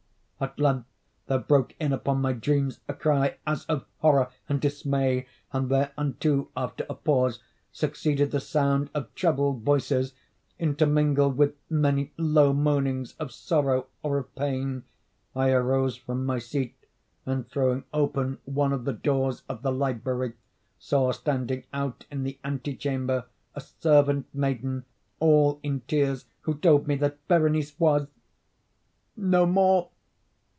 At length there broke in upon my dreams a cry as of horror and dismay; and thereunto, after a pause, succeeded the sound of troubled voices, intermingled with many low moanings of sorrow or of pain. I arose from my seat, and throwing open one of the doors of the library, saw standing out in the ante chamber a servant maiden, all in tears, who told me that Berenice was—no more!